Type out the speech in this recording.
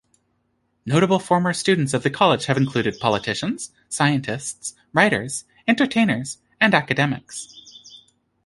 Notable former students of the college have included politicians, scientists, writers, entertainers and academics.